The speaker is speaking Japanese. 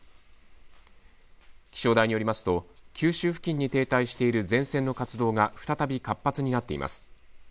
気象台によりますと九州付近に停滞している前線の活動が再び活発になっています。